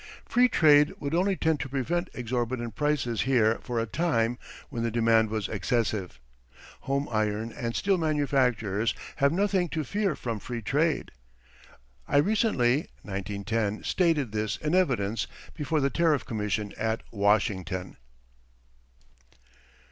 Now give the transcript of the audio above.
Free trade would only tend to prevent exorbitant prices here for a time when the demand was excessive. Home iron and steel manufacturers have nothing to fear from free trade. [I recently (1910) stated this in evidence before the Tariff Commission at Washington.